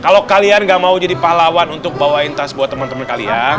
kalau kalian nggak mau jadi pahlawan untuk bawain tas buat temen temen kalian